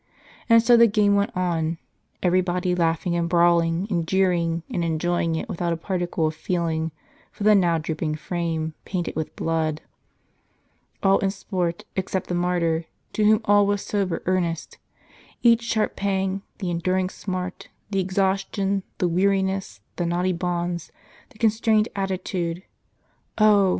And so the game went on ; every body laughing, and brawling, and jeering, and enjoying it without a particle of feeling for the now drooj)ing frame, painted with blood ;* all in sport, except the martyr, to whom all was sober earnest — each sharp pang, the enduring smart, the exhaustion, the weari ness, the knotty bonds, the constrained attitude! Oh!